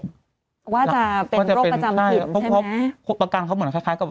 ว่าจะเป็นโรคประจำขิบใช่ไหมเพราะเพราะประกันเขาเหมือนคล้ายคล้ายกับ